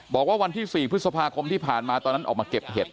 วันที่๔พฤษภาคมที่ผ่านมาตอนนั้นออกมาเก็บเห็ด